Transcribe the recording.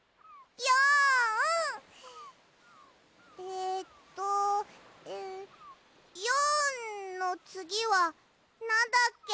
えっと４のつぎはなんだっけ？